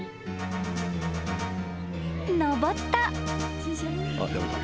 ［登った］